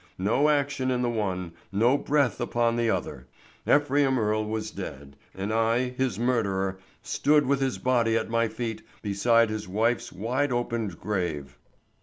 No action in the one, no breath upon the other; Ephraim Earle was dead, and I, his murderer, stood with his body at my feet beside his wife's wide opened grave.